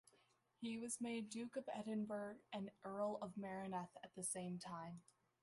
He was made Duke of Edinburgh and Earl of Merioneth at the same time.